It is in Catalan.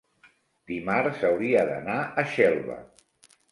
Dimarts hauria d'anar a Xelva.